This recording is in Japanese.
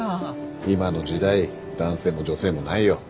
今の時代男性も女性もないよ。